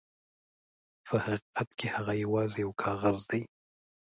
په حقیقت کې هغه یواځې یو کاغذ دی.